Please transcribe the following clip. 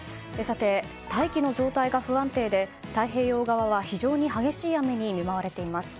大気の状態が不安定で太平洋側は非常に激しい雨に見舞われています。